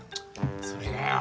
それがよ